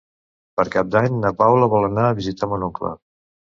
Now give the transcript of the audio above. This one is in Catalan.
Per Cap d'Any na Paula vol anar a visitar mon oncle.